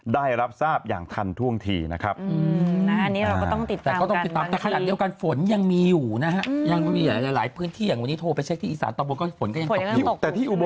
ได้รับทราบอย่างทันท่วงทีนะครับ